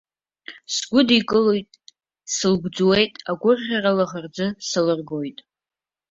Сгәыдылкылоит, сылгәӡуеит, агәырӷьа-лаӷырӡы салыргоит.